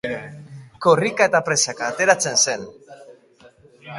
Korrika eta presaka ateratzen zen.